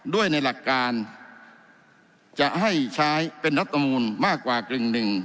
ด้วยในหลักการจะให้ใช้เป็นรัฐมนูลมากกว่ากึ่งหนึ่ง